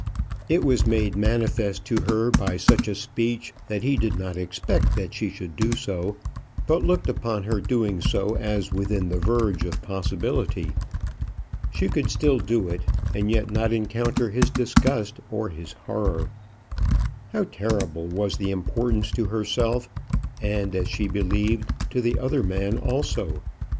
It was made manifest to her by such a speech that he did not expect that she should do so, but looked upon her doing so as within the verge of possibility. She could still do it, and yet not encounter his disgust or his horror. How terrible was the importance to herself, and, as she believed, to the other man also.